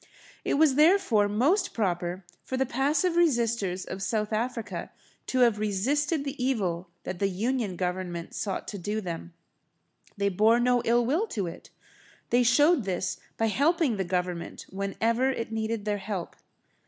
It was, therefore, most proper for the passive resisters of South Africa to have resisted the evil that the Union Government sought to do to them. They bore no ill will to it. They showed this by helping the Government whenever it needed their help.